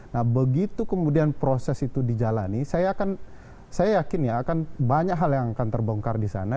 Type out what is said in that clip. nah begitu kemudian proses itu dijalani saya akan saya yakin ya akan banyak hal yang akan terbongkar di sana